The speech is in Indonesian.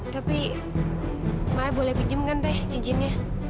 tapi saya boleh pinjam kan teh cincinnya